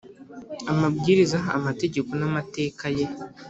amabwiriza amategeko n amateka ye